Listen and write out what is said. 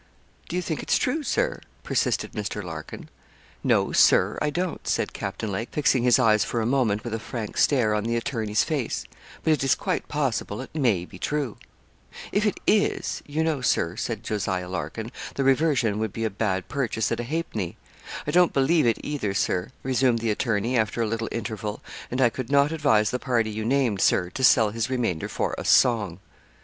'Do you think it's true, Sir?' persisted Mr. Larkin. 'No, Sir, I don't,' said Captain Lake, fixing his eyes for a moment with a frank stare on the attorney's face; 'but it is quite possible it may be true.' 'If it is, you know, Sir,' said Jos. Larkin, 'the reversion would be a bad purchase at a halfpenny. I don't believe it either, Sir,' resumed the attorney, after a little interval; 'and I could not advise the party you named, Sir, to sell his remainder for a song.'